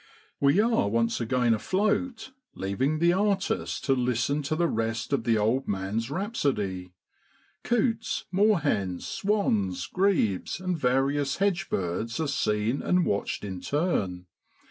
We are once again afloat, leaving the artist to listen to the rest of the old man's rhapsody. Coots, moorhens, swans, grebes, and various hedge birds are seen and watched in turn.